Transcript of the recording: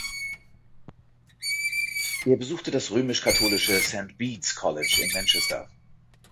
Er besuchte das römisch-katholische St Bede’s College in Manchester.